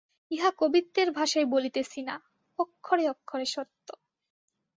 ইহা কবিত্বের ভাষায় বলিতেছি না, অক্ষরে অক্ষরে সত্য।